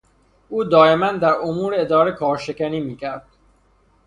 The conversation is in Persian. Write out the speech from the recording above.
او دائما در امور اداره کار شکنی میکرد.